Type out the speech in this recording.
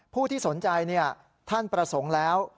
ผู้ที่สนใจท่านประสงค์แล้ว